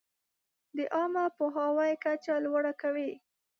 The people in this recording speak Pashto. د عامه پوهاوي کچه لوړه کوي.